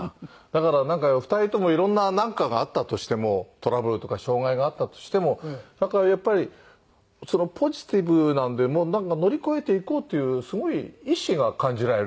だからなんか２人ともいろんななんかがあったとしてもトラブルとか障害があったとしてもなんかやっぱりポジティブなんでもうなんか乗り越えていこうっていうすごい意志が感じられるよね。